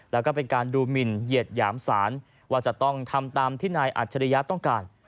แล้วก็เป็นการดูหมินเหยียดหยามศาลว่าจะต้องทำตามที่นายอัจฉริยะต้องการ